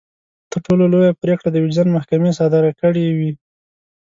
تر ټولو لويه پرېکړه د وجدان محکمې صادره کړې وي.